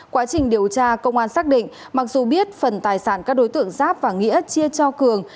quá trình điều tra công an xác định mặc dù biết phần tài sản các đối tượng giáp và nghĩa chia cho cường